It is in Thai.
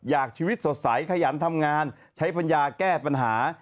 ชีวิตสดใสขยันทำงานใช้ปัญญาแก้ปัญหา